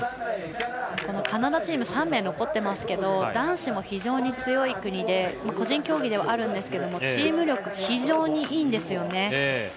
カナダチーム３名残ってますけど男子も非常に強い国で個人競技ではあるんですがチーム力が非常にいいんですよね。